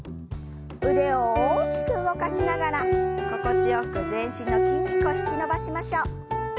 腕を大きく動かしながら心地よく全身の筋肉を引き伸ばしましょう。